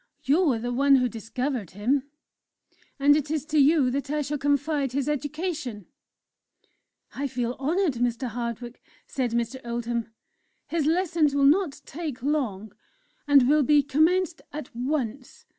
You are the one who discovered him, and it is to you that I shall confide his education." "I feel honoured, Mr. Hardwick," said Mr. Oldham; "his lessons will not take long, and will be commenced at once.